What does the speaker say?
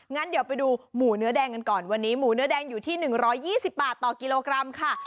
งั้นเดี๋ยวไปดูหมูเนื้อแดงกันก่อนวันนี้หมูเนื้อแดงอยู่ที่๑๒๐บาทต่อกิโลกรัมค่ะ